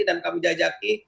dan kami jajaki